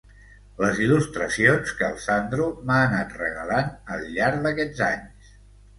Les il·lustracions que el Sandro m'ha anat regalant al llarg d'aquests anys...